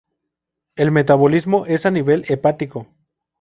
El metabolismo es a nivel hepático.